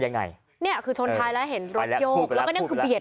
ยังไงเนี่ยคือชนท้ายแล้วเห็นรถโยกแล้วก็เนี่ยคือเบียด